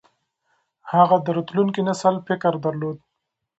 هغه د راتلونکي نسل فکر درلود.